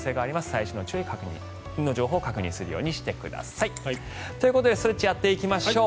最新の情報を確認するようにしてください。ということでストレッチやっていきましょう。